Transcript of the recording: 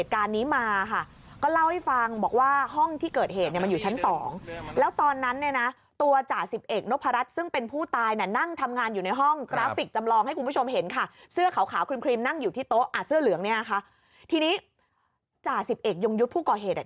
ครีมนั่งอยู่ที่โต๊ะอาจเสื้อเหลืองเนี่ยค่ะทีนี้จ่าสิบเอกยงยุทธ์ผู้ก่อเหตุ